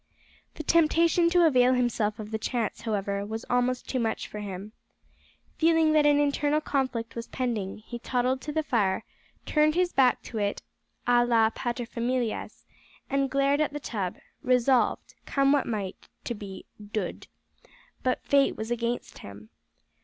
The temptation to avail himself of the chance, however, was almost too much for him. Feeling that an internal conflict was pending, he toddled to the fire, turned his back to it a la paterfamilias, and glared at the tub, resolved, come what might, to be "dood." But fate was against him!